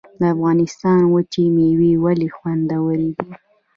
د افغانستان وچې میوې ولې خوندورې دي؟